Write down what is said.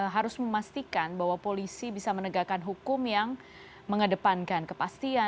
harus memastikan bahwa polisi bisa menegakkan hukum yang mengedepankan kepastian